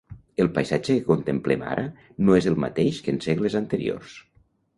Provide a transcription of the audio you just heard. El paisatge que contemplem ara no és el mateix que en segles anteriors.